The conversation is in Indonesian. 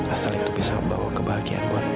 asal itu bisa bawa kebahagiaan buat non